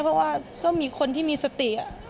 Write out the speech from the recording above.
เพราะว่าก็มีคนที่มีสติ